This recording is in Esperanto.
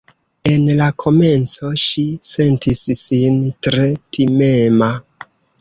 En la komenco ŝi sentis sin tre timema